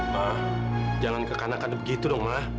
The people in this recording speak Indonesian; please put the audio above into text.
ma jangan kekanakan begitu dong ma